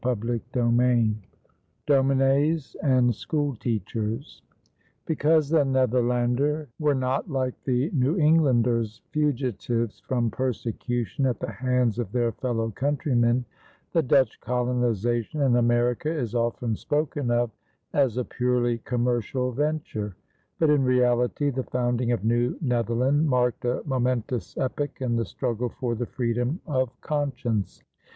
CHAPTER V DOMINES AND SCHOOL TEACHERS Because the Netherlander were not, like the New Englanders, fugitives from persecution at the hands of their fellow countrymen, the Dutch colonization in America is often spoken of as a purely commercial venture; but in reality the founding of New Netherland marked a momentous epoch in the struggle for the freedom of conscience.